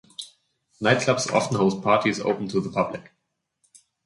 Nightclubs often host parties open to the public.